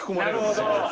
なるほど。